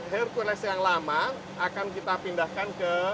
hercules yang lama akan kita pindahkan ke